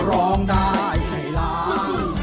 ร้องได้ให้ล้าน